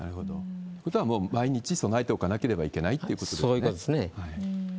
ということは毎日備えておかなければいけないってことですね。